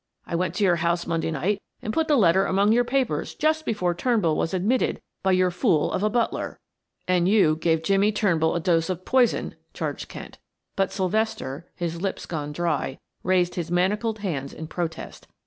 I went to your house Monday night and put the letter among your papers just before Turnbull was admitted by your fool of a butler." "And you gave Jimmie Turnbull a dose of poison " charged Kent, but Sylvester, his lips gone dry, raised his manacled hands in protest.